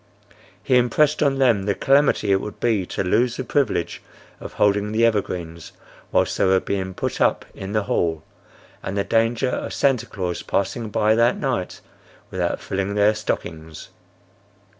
He impressed on them the calamity it would be to lose the privilege of holding the evergreens whilst they were being put up in the hall, and the danger of Santa Claus passing by that night without filling their stockings.